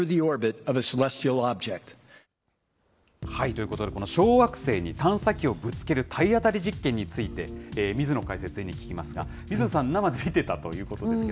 ということで、この小惑星に探査機をぶつける体当たり実験について、水野解説委員に聞きますが、水野さん、生で見てたということです